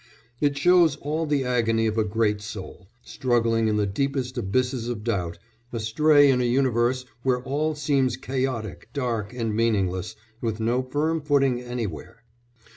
It shows all the agony of a great soul, struggling in the deepest abysses of doubt, astray in a universe where all seems chaotic, dark, and meaningless, with no firm footing anywhere.